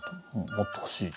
もっと欲しい。